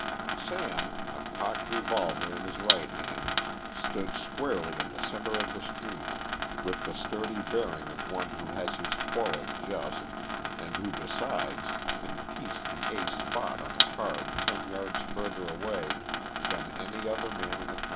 Sam, a cocked revolver in his right hand, stood squarely in the centre of the street, with the sturdy bearing of one who has his quarrel just, and who besides can pierce the ace spot on a card ten yards further away than any other man in the county.